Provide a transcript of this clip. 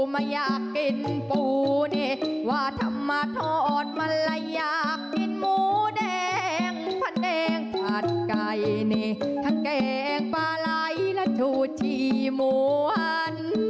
ไม่อยากกินปูนี่ว่าทำมาทอดมันละอยากกินหมูแดงผัดแดงผัดไก่นี่ทั้งแกงปลาไหลและถูจีมวล